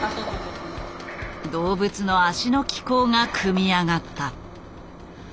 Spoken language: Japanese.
動物の脚の機構が組み上がった。